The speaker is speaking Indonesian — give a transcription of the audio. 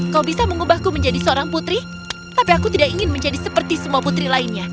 kau bisa mengubahku menjadi seorang putri tapi aku tidak ingin menjadi seperti semua putri lainnya